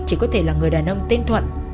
chỉ có thể là người đàn ông tên thuận